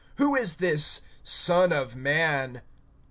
Who is this Son of man?